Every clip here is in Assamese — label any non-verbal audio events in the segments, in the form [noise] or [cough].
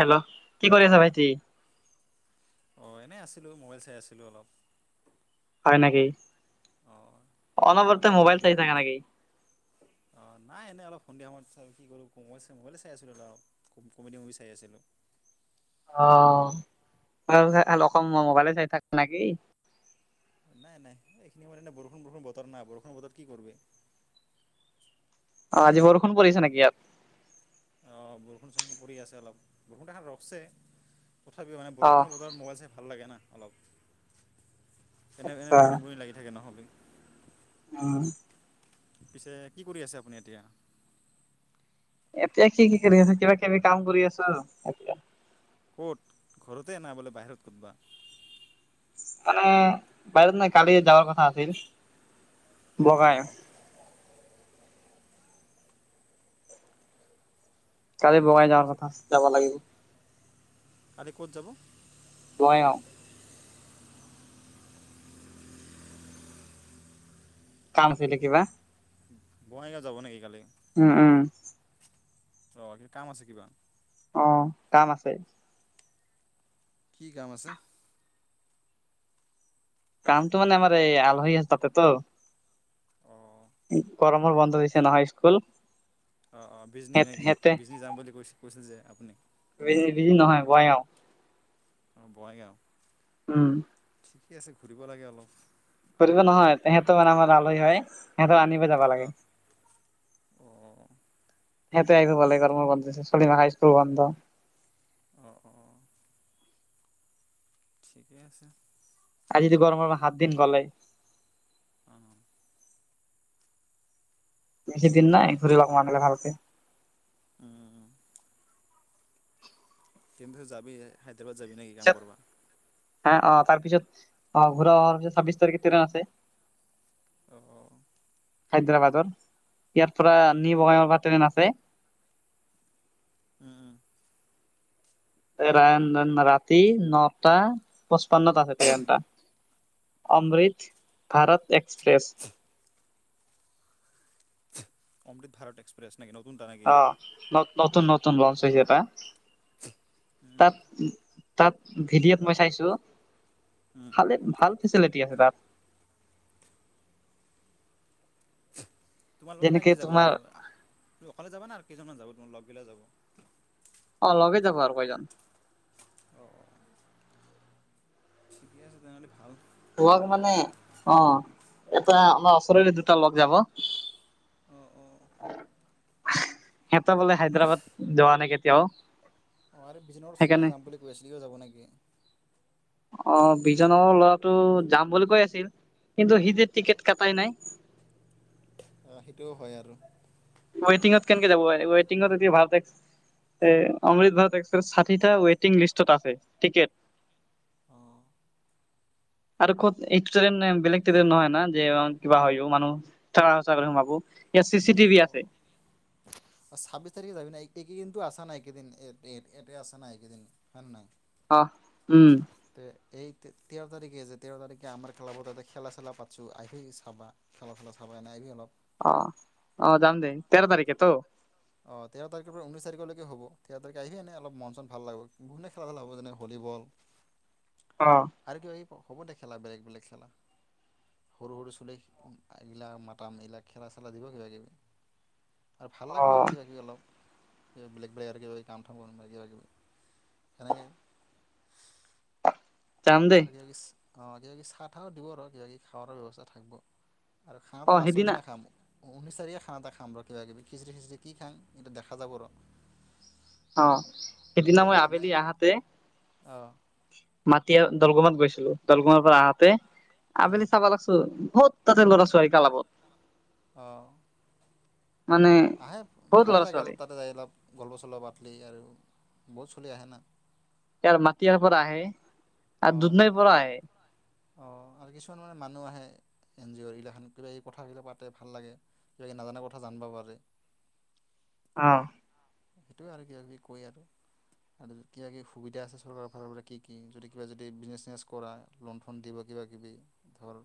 হেল্ল' কি কৰি আছা ভাইটি? অ, এনেই আছিলো মোবাইল চাই আছিলো অলপ। হয়, নেকি। অঁ এনেই অলপ অনবৰ্ত, কমেডি মোবাইল ভিডিঅ' চাই থাকে নেকি। অঁ নাই এনেই অলপ সন্ধিয়া সময়ত কি কৰোঁ মোবাইল চাই মোবাইলে চাই আছিলোঁ আৰু কমেডি মুভি চাই আছিলোঁ। অ, মোবাইলে চাই থাক নেকি। নাই, নাই এইখিনি মানে ন বৰষুণ বৰষুণ বতৰ নাই বৰষুণ বতৰ কি কৰবি। অজিবোৰ অ, বৰষুণ চ পৰি আছে অলপ। বৰষুণ এখনাত ৰখছে তথাপিও মানে অ' বৰষুণৰ বজাৰত মোবাইল চাই ভাল লাগে না। অলপ এনে এনে আচ্ছা বৰিং, বৰিং লাগি থাকে নহ'লে। উম, পিছে কি কৰি আছে আপুনি এতিয়া। এতিয়া কি কি কৰি আছ কিবা কিবি কাম কৰি আছো এতিয়া। ক'ত ঘৰতে নাই বোলে বাহিৰত ক'ত বা। মানে বাহিৰত নাই কালি যাবাৰ কথা আছিল। বগাই। অঁ কালি বগাই যাাৰ পিছে কথা যাব লাগিব। কালি ক'ত যাব। [unintelligible] কাম আছিলিল কিবা। বঙাইগাঁও যাব নেকি কালি। উম, উম, অ, কি কাম আছে কিবা। অ, কাম আছে। কি কাম আছে। কামটো মানে আমাৰ এই আলহী আছে তাতেতো। অ, গৰমৰ বন্ধ দিছে ন হাইস্কুল। অ, অ, বিজনী নেকি বিজনী যাম বুলি কৈ কৈছিল যে আপুনি। [inaudible] অ, বঙাইগাঁও। উম, ঠিকে আছে ঘূৰিব লাগে অলপ। কৰিব নহয় সিহঁতৰ মানে আমাৰ আলহী হয় সিহঁতৰ আনিব। যাবা লাগে। অ', অ', সেইটো আহো ব গৰ্ম বন্ দি চলিমা হাইস্কুল বন্ধ। অ', অ', ঠিকেই আছে। আৰু জ যদি গৰম মৰ সাত দিন গ'লে। অ, বেছি দিন নাই, ঘূৰিব মাৰিলে ভালকে। উম। কিন্তু যাবি হায়দৰাবাদ যাবি, নেকি কাম পিছত কৰিবা। অ, অ, তাৰ পিছত আহ ঘূৰা অহাৰ পিছত ছাব্বিছ তাৰিখে ট্ৰন আছে। অ', হায়দৰাবাদৰ ইয়াৰ পৰা নি বঙাইগাওঁৰ পৰা ট্ৰেইন আছে। উম, উম, ৰা, ৰাতি নটা পঁচপন্নটা আছে ট্ৰেইন এটা। অমৃত ভাৰত এক্সপ্ৰেছ। অমৃত ভাৰত এক্সপ্ৰেছ। নেকি নতুন টা নেকি অ, এতিয়া নতুন নতুন লঞ্চ হৈছেটা উম, তাত তাত ভিডিঅত মই চাইছো উম, ভালে ভাল। ফেচলিটি আছে তাত। তোমাৰ লগত যেনেকে কাইকে যাব আৰু তোমাৰ অকলে যাবা না আৰু কেইজনমান যাব তম লগ গিলা যাব? অ', লগেই যাবো আৰু কয়জন। অঁ'। ঠিকে আছে তেনেহ'লে ভাল। লগ মানে অ', এটা আমাৰ ওচৰেৰে দুটা লগ যাব। অ', অ', [inaudible] সিহঁত বোলে হায়দৰাবাদ যোৱা নাই কেতিয়াও। অ', আৰু বিজনৰ ওচৰতে সেইকাৰণে যাম বুলি কৈ আছিল সিও যাব নেকি? অ', বিজনৰ ল'ৰাটো যাম বুলি কৈ আছিল। কিন্তু হিজে টিকেট কটাই নাই। আহ সেইটোও হয় আৰু। ৱেটিঙত কেনেকে যাব ৱেটিঙত এতিয়া ভালাই অমৃত ভাৰত এক্সপ্ৰেছ ষাঠিটা ৱেটিং লিষ্টত আছে টিকেট। অ'। আৰু খ'ত এটো ট্ৰেইন বেলেগ ট্ৰেইন নহয় ন যে কিবা হয় মানুহ ঠেলা হেঁচা কৰি সোমাবো। ইয়াত চি চি টিভি অ', আছে। একেদিনটো আছা নাই একেদিন এট আছা নাই একেদিন হয় নাই। অ', উম। তে এই তেৰ তাৰিখে যে তেৰ তাৰিখে আমাৰ ক্লাবততে খেলা চেলা পাটচ্ছোআহি চাবা খেলা চেলা চাবা। এনই আহিবি অলপ। অ', অ', যাম দে তেৰ তাৰিখেতো? অ', তেৰ তাৰিখৰ পৰা উনছ তাৰিখলৈকে হ'ব তেৰ তাৰিখে আহিবি অলপ মন চন ভাল লাগিব বহু খেলা চেলা হব যেনে ভলি বল অ', আৰু কিবা কিবি হ'ব দে খেলা বেলেগ বেলেগ খেলা। সৰু সৰু চলি গিলাক মাতাম এইগিলাক খেলা চেলা দিব কিবা কিবি। আৰু ভাল অ লাগব আৰু কিবা কিবি অলপ বেলেগ বেলেগ আৰু কিবি কাম থাম কৰি কিবা কিবি এনেকে। যাম দেই আৰু কিবা কিবি অ', কিবা কিবি চাহ তাহ দিব আৰু কিবাি খাৱাৰ ব্যৱস্থা থাকিব। আৰু খানাটো অ', লাষ্টৰ সেইদিনা দিনা খাম। অ', ঊনিচ তাৰিখে খানা এটা খাম ৰ কিবা কিবি খিচিৰি খিচিৰি কি খাম এইটো দেখা যাব ৰ। অ', সেইদিনা কিন্তু মই এনে আবেলি আহাতে অঁ মাটি দলগুমাত গৈছিলো দলগুমাৰ পৰা আহাতে অঁ আবেলি চাবা লাগছো বহুত তাতে ল'ৰা ছোৱোৱাৰী ক্লাবত। অ'। আহে বহুত ভালে ল'ৰা লাগে অলপ ছোৱালী তাতে যাই অলপ গল্প চল্প পাটলি আৰু। বহুত চলি আহে না। ইয়াৰ মাটিয়াৰ পৰা আহে আৰু অঁ দুদধনৈ পৰা আহে। অঁ আৰু কিছুমান মানে মানুহ আহে এন জি অ'ৰ এইগিলাখন কিবা কিবি কথাবিলা পাতে ভাল লাগে কিবা কিবি নাজানা কথা জানিব পাৰে। আহ। সেইটোৱে আৰু কিব কিবি কয় আৰু। আৰু কিবা কিবি সুবিধা আছে চৰকাৰৰ ফালৰ পৰা কি কি যদি কিবা যদি বিজনেচ চিজনেছ কৰা লোন ফোন দিব। কিবা কিবি ধৰ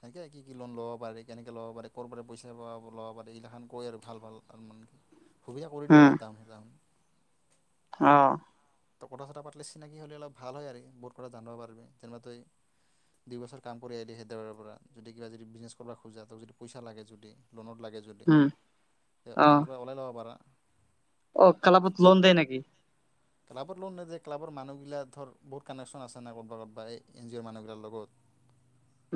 সেনেকে কি কি লোন লব পাৰে কেনেকে ল'ব পাৰে ক'ৰ পৰাাৰে পইচা ল'ব পাৰে এইগালাখান কৈ আৰু ভাল ভাল মানে। কি [inaudible] সুবিধা কৰি দিব মানে তাহোন তাহোন আহ। ত' কথা চথা পাতিলে চিনাকি হলে অলপ ভাল হয় আৰু বহুত কথা জানিব পাৰিবি যেনিবা তই দুইবছৰ কাম কৰি আহিলি হেদৰাবাৰৰ পৰা যদি কিবা যদি ব্ৰিজনেছ কৰিব খোজা তাক যদি পইচা লাগে যদি। লোনত লাগে যদি উম, অ', তাৰপা ওলাই ল'ব পাৰা। অ' কালাপত ত' লোন দে নেকি। ক্লাবৰ লোন নেদে ক্লাবৰ মানুহবিলাক ধৰ বহুত কানেকশ্বন আছে নাই ক'ৰবা ক'ৰবাত এই এন জি অ'ৰ মানুহবিলাকৰ লগত।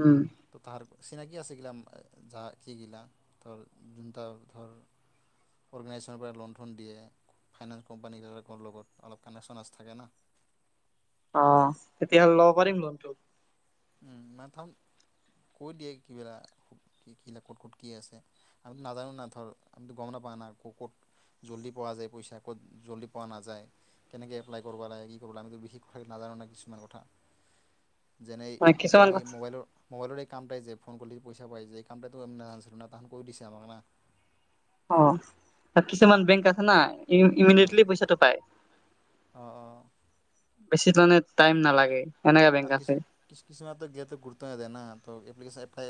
উম, তো তাহাৰ। চিনাকি আছে গিলা যা কিগিলা ধৰ যোনটা ধৰ। অৰ্গেনাইজেছনৰ পৰা লোন ধন দিয়ে ফাইনেন্স কোম্পানীবিলাকৰ লগত অলপ কানেকশ্বন আছ থাকে না। অ' তেতিয়াহ'লে ল'ব পাৰিম লোনটো। উম, মাথম কৈ দিয়ে কিবিলা কি কি লাগিব, ক'ত ক'ত কি আছে আমিতো নাজানো না ধৰ আমিতো গ'ম নাপাওঁ। নাপাওঁ না ক'ত ক'ত। জল্দি পোৱা যায় পইচা, ক'ত জল্দি পোৱা নাযায়, কেনেকে এপ্লাই কৰিব লাগে, কি কৰিব লাগ আমি বিশেষ কথা নাজানো। কাৰণে কিছুমান কথা যেনে। হয়, কিছুমান এই কথা। মোবাইলৰ মোবাইলৰ এই কামটাই যে ফোন কৰিলেদি পইচা পাই যে এই কামটোতো আমি নাজানছিলোঁ না তাহন কৈ দিছে আমাক না অ' কিছুমান বেংক আছে না ইমিডিয়েটলি পইচাটো পায়। অ' অ' বেছি তাৰমানে টাইম নালাগে। এনেকা বেংক আৰু আছে কিছু কি [unintelligible]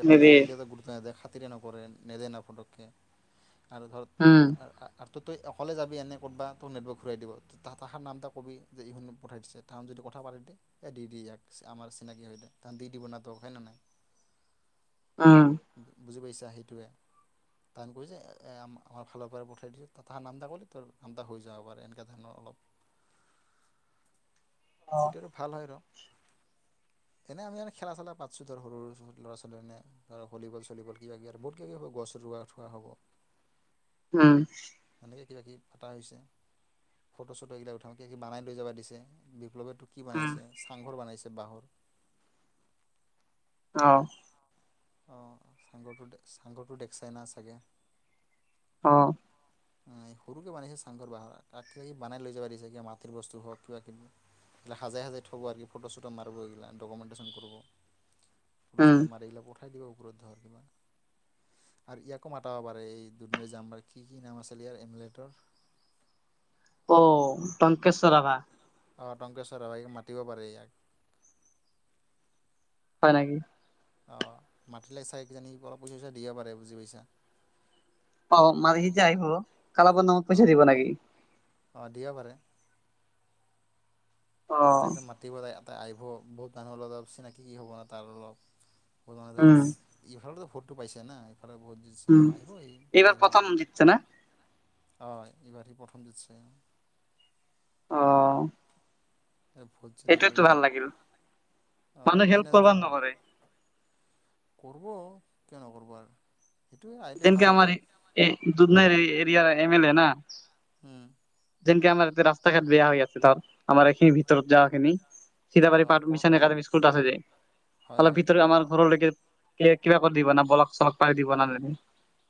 হেৰি দিলেও গুৰুত্ব নিদিয়ে। নপৰে নেদে ন ফটকে আৰু ধৰ উম ত' তই অকলে যাবি এনে ক'তবাত তোৰ নেটৱৰ্ক ঘূৰাই দিব ত তাহাৰ নাম এটা কবি যে ইখ পঠাই দিছে তাহন যদি কথা পাতি এ দিদ ইয়াক আমাৰ চিনাকি হৈ দে কাৰ দি দিব না ত হয় ন নাই। উম। বুজি পাইছা সেইটোৱে। তাৰ হৈ যায় আমাৰ ফালৰ পৰাই পঠাই দিছো তাৰ নাম টা কলি হৈ যাব পাৰে এনেকুৱা ধৰণৰ অলপ। [inaudible] সেইটোৱে টো ভাল হয় ন [inaudible] এনে আমি খেলা চেলা পাতিছো ধৰ সৰু ল'ৰা ছোৱালী এনে ধৰ ভলীবল চলিবল কিবা কিবি আৰু বহুত কিবা কিবি। গছ ৰুৱা থোৱা হ'ব। উম। কিবা কি ফটা হৈছে ফটো চটো এইগিলাক উঠাওঁ কিবা কি বনাই লৈ যাবা দিছে বিপ্লৱে। টো কি উম বনাইছে? চাংঘৰ বনাইছে বাঁহৰ। অ' অ' চাংঘৰটো, চাংঘৰটো দেখিচাই ন চাগে। অ' সৰুকে বানিছে চাংঘৰ বাঁহৰ কিবাকিবি বনাই লৈ যাবা দিছে, কিবা মাটিৰ বস্তু হওঁক কিবা কিবি। হাজাই হাজাই থ'ব আৰু কি ফটো চটো মাৰিব এইগিলা ডকুমেণ্টেশ্যন কৰিব। ফটো উম চটো মাৰি [unintelligible] [unintelligible] আৰু ইয়াকো মাতাব পাৰে এই দুন যাম্বাৰ কি কি নাম আছে। কিলিয়াৰ এভলেটৰ। অ' টংকেশ্বৰ ৰাভা। অ' টংকেশ্বৰ ৰাভা ই মাতিব পাৰে ইয়াক। হয় নেকি। অ' মাতিলে চাগে কিজানি অলপ পইচা চইচা দিবা পাৰে বুজি পাইছা। অ' মানে সি যেতিয়া আহিব ক্লাবৰ নামত পইচা দিব নেকি? অ' দিবা পাৰে। অ তাক যে মাতিব লাগে ইয়াতে আহিব বহুত মানুহৰ লগত চিনাকি কি হ'ব ন তাৰ অলপ। ভোলোঙা দাচ উম ইফালেতো ভূটো পাইছে না। [unintelligible] উম আহিব সি কিয় এইবাৰ নাহিব প্ৰথম মাতিলে। জিতছে না অ', এইবাৰেই প্ৰথম দিছে। অ'। ভোট যে দিলোঁ এইটোতো এইবাৰ ভাল লাগিল। অঁ মানুহ হেল্প সেইদিনা [unintelligible] নকৰে। [inaudible] ক'ৰব কিয় নক'ৰব আৰু। সেইটোৱে আহিলে ভাল তেনেকে আৰু আমাৰ এ যোনটো এৰিয়াৰ এম এল না। উম। যেনকে আমাৰ ইতে ৰাস্তা ঘাট বেয়া হৈ আছে ধৰ আমাৰ এইখিনি ভিতৰত যাখিনি। সীতাবাৰী পাঠ অঁ মিছন একাডেমী স্কুলতো আছে যে হয় অলপ হয় ভিতৰত আমাৰ ঘৰৰলৈকে কিবা কৰি দি বনাব [unintelligible]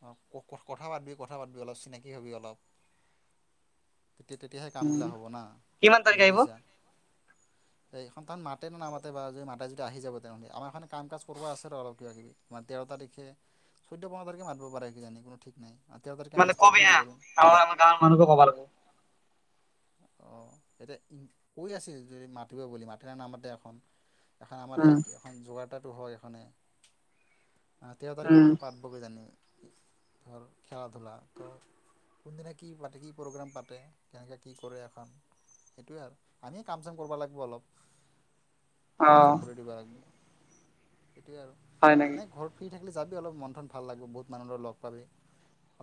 অ', ক-কথা পাতবি কথা পাতবি অলপ চিনাকি হবি অলপ। তেতিয়া তেতিয়াহে উম। কামগিলা হ'ব না কিমান তাৰিখে বুজি আহিব পাইছা এই। তাত মাতে নামাতে বা যদি মাতে যদি যাব তেনেহ'লে আমাৰ এনে কাম কাজ কৰিবা আছে আৰু অলপ কিবা কিবি। তেৰ তাৰিখ খে চৈধ্য পোন্ধ তাৰিখে মাতিব পাৰে কি জানি কোনো ঠিক নাই। তেৰ তাৰিখে আমি মানে কবি ষ্টাৰ্টিংহে হা কৰিম আৰু আমাৰ গাঁৱৰ মানুহো ক'বা লাগবো। অ', এতিয়া কৈ আছিল যে মাতিব বুলি মাতে বা নামতে আকৌ। এখন আমাৰ সেই উম, এখন যোৱাৰ তাটো হয় এখনে। আহ তেৰ তাৰিখৰ উম। পৰা পাতব কি জানি ধৰ খেলা ধূলা। ত' কোনদিনা কি পাতে কি প্ৰ'গ্ৰেম পাতে কেনেকে কি কৰে এখন সেইটোৱে আৰু আমিয়ে কাম চাম কৰিব লাগিব অলপ। সহযোগ অ' কৰি দিবা লাগিব। সেইটোয়ে আৰু হয় নেকি এনেই ঘৰ ফ্ৰী থাকিলে যাবি অলপ মন চন ভাল লাগিব বহুত মানুহৰ লগ পাবি।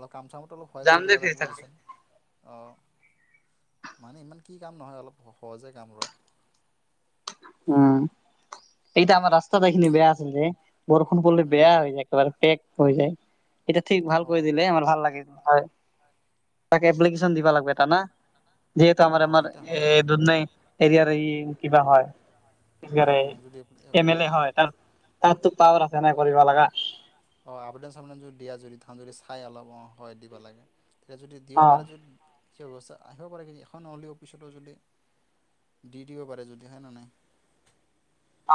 অলপ কাম চাম অলপ সহায় যাম কৰি দে দিবা ফ্ৰী লাগিব থাকিলে। বুজছি অ' মানে ইমান কি কাম নহয় অলপ সহজে কাম ধৰ। উম, এইটা আমাৰ ৰাস্তাটো এইখিনি বেয়া আছিল যে। বৰষুণ পৰলে উম বেয়া হৈ যায় একেবাৰে পেক হৈ যায়। এতিয়া ঠিক ভাল অ কৰি দিলে আমাৰ ভাল লাগে। হয়, তাক এপ্লিকেশ্যন দিবা লাগিব এটা না? যিহেতু অ আমাৰ আমাৰ এতিয়া হয় ৰ এ দুধনৈ এৰিয়াৰ ই কিবা হয়। উম উম যদি এম এল এ হয়। তাৰতো পাৱাৰ আছে নাই কৰিব লাগা। অ', আমনে চামনে দিয়া যদি তেওঁ যদি চাই অলপ অ' হয় দিব লাগে। তেতিয়া যদি দিব অ', পাৰে যদি সেই ব্যৱস্থা আহিব পাৰে কিন্তু এখন হ'লেও অফিচতো যদি দি দিব পাৰে, যদি হয়নে নাই?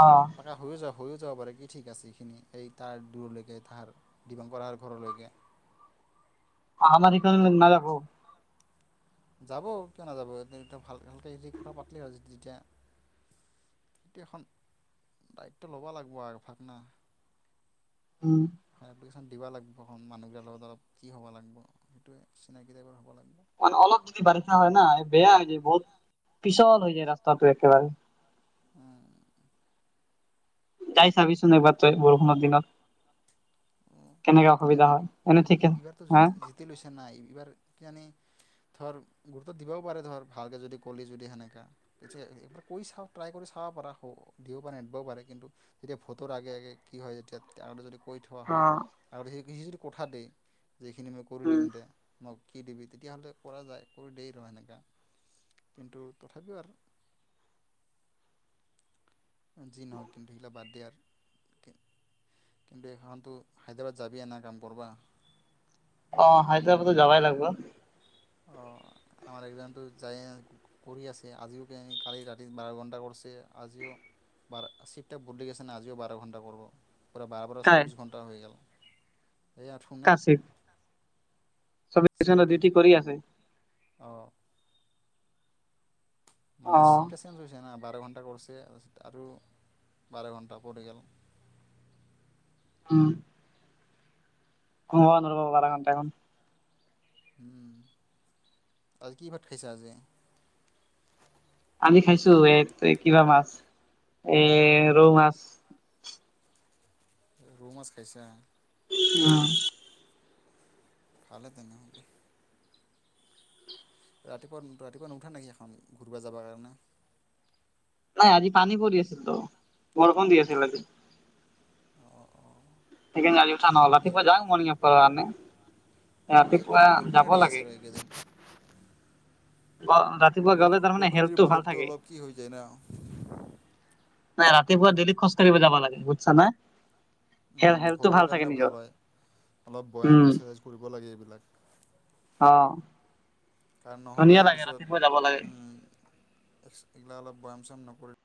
অ' মানে হৈও যাব হৈও যাব বাৰু কি ঠিক আছে এইখিনি এই তাৰ দূৰলৈ ধাৰ ডিবং পাৰাৰ ঘৰলৈকে। আমাৰ এই [unintelligible] যাব কিয় নাযাব ভাল ভালকে হৰি কথা পাতিলে আৰু তেতিয়া। এখন দায়িত্ব ল'ব লাগিব [unintelligible] উম। এপ্লিকেশন দিবা লাগব মানুহবিলাকৰ লগত অলপ কি হ'ব লাগিব সেইটো চিনাকি টাইপৰ হ'ব ল মানে অলপ যদি বাৰিষা হয় না বেয়া হয় যায় বহুত পিছল হৈ যায় ৰাস্তাটো একেবাৰে। উম। যায় চাবিচোন এবাৰ তই বৰষুণৰ দিনত। কেনেকে অসুবিধা এবাৰ হয় এনে ঠিকে এইবাৰতো হা জি টি লৈছে নাই এইবাৰ কি জানি ধৰ গুৰুত্ব দিবাও পাৰে ধৰ ভালকে যদি কলি যদি সেনেকা কৈছে চাওঁ ট্ৰাই কৰি চাওঁ। দিব পাৰে নিদবাও পাৰে কিন্তু যেতিয়া ভোটৰ আগে আগে কি হয় যেতিয়া যদি কৈ থোৱা অ হয় আৰু সেই সেই যদি কথা দেই যে এইখিনি মই কৰি উম দিম দে মোক কি দিবি তেতিয়া হ'লে কৰা যায় কৰি দেইটো সেনেকা। কিন্তু তথাপিও আৰু। । যি নহক কিন্তু হেবিলা বাদ দিয় আৰু। কিন্তু এইখনতো হায়দৰাবাদ যাবিয়ে না কাম কৰবা। অ' হায়দৰাবাদো যাবাই লাগিব। অ' আমাৰ একজনতো যায় কৰি আছে, আজিও কালি ৰাতি বাৰ ঘণ্টা কৰিছে আজিও বাৰ চিটটা বদি গৈছে না, আজিও বাৰ ঘণ্টা কৰব পায় বাৰ বাৰ কাই চৌবিশ ঘণ্টা হৈ গেল। এই আঠুনে। চ ডীউটি কৰি আছে? অ' অ মানে চিফটা চেঞ্জ হৈছে না, বাৰ ঘণ্টা টা কৰিছে আৰু বাৰ ঘণ্টা পৰি গেল। হুম। অ' নব বাৰ ঘণ্টাখন। উম, আজি কি ভাত খাইছা আজি? আমি খাইছোঁ এই কিবা মাছ এ, ৰৌ মাছ। ৰৌ মাছ খাইছা? উম। ভালে তেনেহ'লে। ৰাতিপুৱা ৰাতিপুৱা নুঠা নেকি এখন ঘূৰিব যাব কাৰণে? নাই আজি পানী পৰি আছিলতো, বৰষণ দি আছিল আজি। অ' অ' সেইকাৰনে আজি উঠা নহ'ল, এই ৰাতিপুৱা যাওঁ মৰ্নিং ৱাকিঙৰ কাৰণে। অ' ৰাতিপুৱা এইকেইদিন বৰষুণে যাব দি আছে লাগে। আৰু এইকেইদিন অ ৰাতিপুৱা গ'লে তাৰমানে বষু-বৰষুণ দিলে হেল্থটো ভাল বতৰতটো থাকে অলপ কি হৈ যায় না। নাই ৰাতিপুৱা দেলি খোজকাঢ়িব যাবা লাগে বুজছা না। হেল হেল্থটো শৰীৰৰ থাকে কাৰণে নিজৰ ভাল হয়। অলপ ব্যায়াম উম। এক্সাৰচাইজ কৰিব লাগে এইবিলাক। অ'। কাৰণ নহ'লে ধুনীয়া লাগে পিছত ৰাতিপুৱা যাব লাগে উম, এইগিলা অলপ বয়াম চাম নকৰি